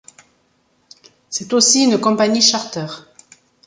C'est aussi une compagnie charter.